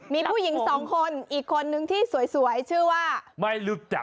มีผู้หญิงสองคนอีกคนนึงที่สวยชื่อว่าไม่รู้จัก